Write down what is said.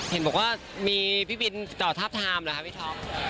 เห็นบอกว่ามีพี่บินจอดทับทามเหรอคะพี่ท็อป